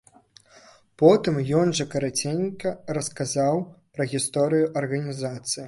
Потым ён жа караценька расказаў пра гісторыю арганізацыі.